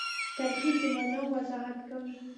ترکیب د مانا وضاحت کوي.